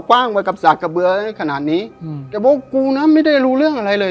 กว้างมากับสากกระเบืออะไรขนาดนี้อืมแต่พวกกูนะไม่ได้รู้เรื่องอะไรเลย